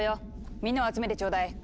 みんなを集めてちょうだい！